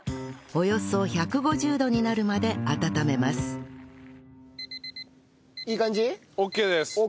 およそ１５０度になるまで温めます